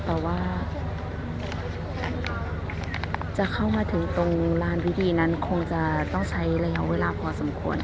แต่ว่าจะเข้ามาถึงตรงลานพิธีนั้นคงจะต้องใช้ระยะเวลาพอสมควร